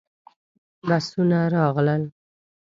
بسونه راغلل.